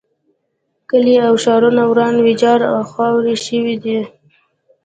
کلي او ښارونه وران ویجاړ او خاورې شوي دي.